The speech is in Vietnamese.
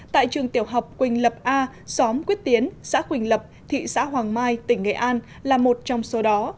tại trường tiểu học quỳnh lập a xóm quyết tiến xã quỳnh lập thị xã hoàng mai tỉnh nghệ an là một trong số đó